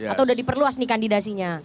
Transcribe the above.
atau sudah diperluas kandidasinya